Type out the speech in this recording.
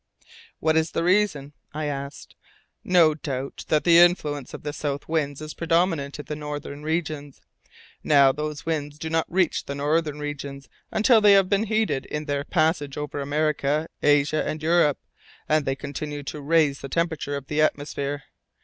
"What is the reason?" I asked. "No doubt that the influence of the south winds is predominant in the northern regions. Now, those winds do not reach the northern regions until they have been heated in their passage over America, Asia, and Europe, and they contribute to raise the temperature of the atmosphere.